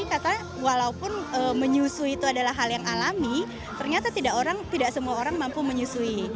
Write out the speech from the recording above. karena walaupun menyusui itu adalah hal yang alami ternyata tidak semua orang mampu menyusui